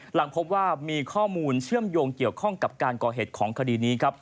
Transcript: หลังพบว่ามีข้อมูลเชื่อมโยงเกี่ยวข้องกับการก่อเหตุของคดีนี้ครับ